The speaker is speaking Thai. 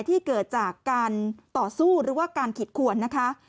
ที่เกิดจากการต่อสู้หรือว่าการขีดขวนนะคะ